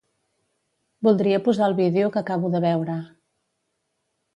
Voldria posar el vídeo que acabo de veure.